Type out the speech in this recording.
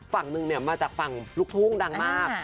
ฝั่งหนึ่งมาจากฝั่งลูกทุ่งดังมาก